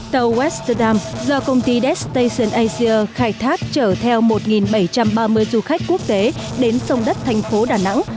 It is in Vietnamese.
tàu westerdam do công ty destation asia khai thác chở theo một bảy trăm ba mươi du khách quốc tế đến sông đất thành phố đà nẵng